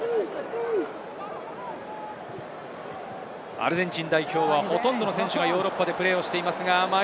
アルゼンチン代表は、ほとんどの選手がヨーロッパでプレーしています。